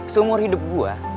seumur hidup gue